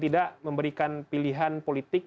tidak memberikan pilihan politik